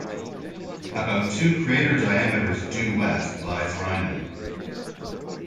About two crater diameters due west lies Rynin.